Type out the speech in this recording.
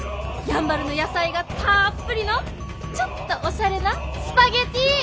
やんばるの野菜がたっぷりのちょっとおしゃれなスパゲッティ！